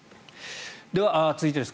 では続いてです。